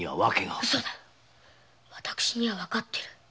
私にはわかっている。